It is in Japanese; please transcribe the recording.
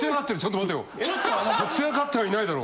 とっちらかってはいないだろ。